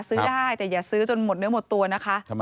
ซื้อได้แต่อย่าซื้อจนหมดเนื้อหมดตัวนะคะ